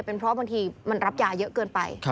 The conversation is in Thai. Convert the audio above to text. เป็นเพราะบางทีมันรับยาเยอะเกินไป